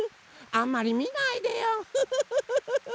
あんまりみないでよフフフフフ！